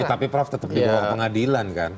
tapi prof tetap di dalam pengadilan kan